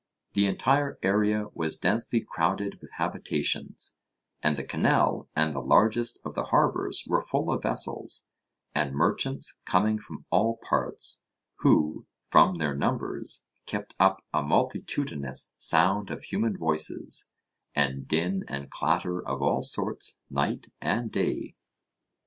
The entire area was densely crowded with habitations; and the canal and the largest of the harbours were full of vessels and merchants coming from all parts, who, from their numbers, kept up a multitudinous sound of human voices, and din and clatter of all sorts night and day.